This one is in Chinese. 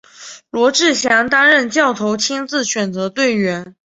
罗志祥担任教头亲自选择队员。